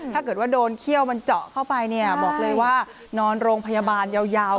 ถ้าเกิดว่าโดนเขี้ยวมันเจาะเข้าไปเนี่ยบอกเลยว่านอนโรงพยาบาลยาว